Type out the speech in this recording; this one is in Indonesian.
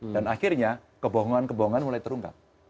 akhirnya kebohongan kebohongan mulai terungkap